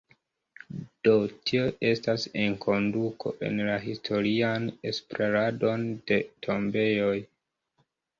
Do, tio estas enkonduko en la historian esploradon de tombejoj.